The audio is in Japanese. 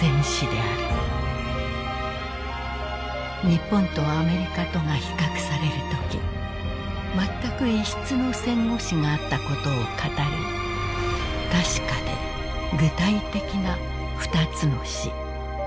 「日本とアメリカとが比較されるときまったく異質の戦後史があったことを語るたしかで具体的な二つの死」。